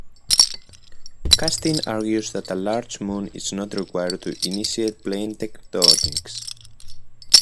Kasting argues that a large moon is not required to initiate plate tectonics.